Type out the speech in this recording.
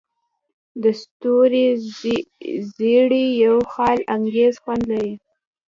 د ستورو زیرۍ یو خیالانګیز خوند لري.